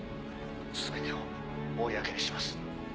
全てを公にします。